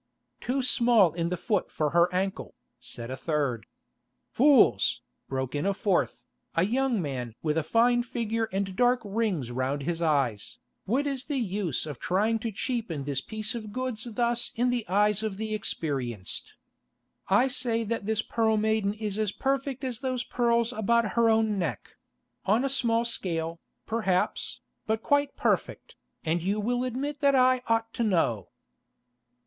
"Too small in the foot for her ankle," said a third. "Fools," broke in a fourth, a young man with a fine figure and dark rings round his eyes, "what is the use of trying to cheapen this piece of goods thus in the eyes of the experienced? I say that this Pearl Maiden is as perfect as those pearls about her own neck; on a small scale, perhaps, but quite perfect, and you will admit that I ought to know."